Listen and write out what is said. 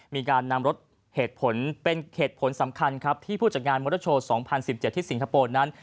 มีการนำรถเหตุผลเป็นเหตุผลสำคัญครับที่ผู้จัดงานมอเตอร์โชว์๒๐๑๗ที่สิงคโปร์นั้น